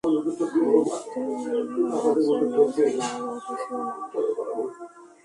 সুতরাং বাহানার আশ্রয় নেয়া ছাড়া আর কোন উপায় ছিল না।